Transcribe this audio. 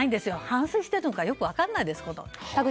反省しているのかよく分からないです。